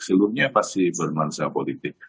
seluruhnya pasti bermanfaat politik